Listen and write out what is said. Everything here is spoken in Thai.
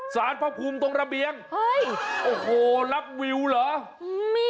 แต่เขาบอกว่า